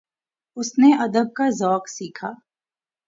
اس نے ادب کا ذوق سیکھا